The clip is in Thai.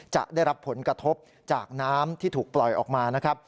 จะได้รับผลกระทบจากน้ำที่ถูกปล่อยออกมานะครับ